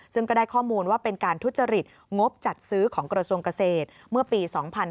ซึ่งก็ได้ข้อมูลว่าเป็นการทุจริตงบจัดซื้อของกระทรวงเกษตรเมื่อปี๒๕๕๙